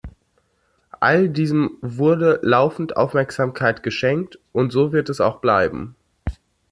All diesem wurde laufend Aufmerksamkeit geschenkt, und so wird es auch bleiben.